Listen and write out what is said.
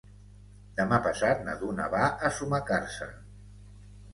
Demà passat na Duna va a Sumacàrcer.